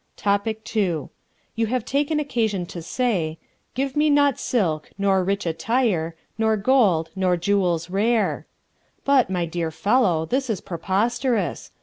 Topic II. You have taken occasion to say: "Give me not silk, nor rich attire, Nor gold, nor jewels rare." But, my dear fellow, this is preposterous.